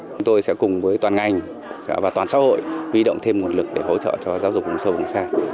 chúng tôi sẽ cùng với toàn ngành và toàn xã hội huy động thêm nguồn lực để hỗ trợ cho giáo dục vùng sâu vùng xa